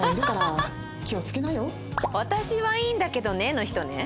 「私はいいんだけどねえ」の人ね。